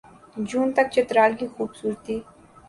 جون تک چترال کی خوبصورتی